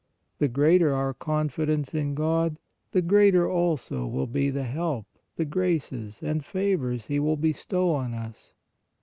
The greater our confidence in God, the greater also will be the help, the graces and favors He will bestow on us.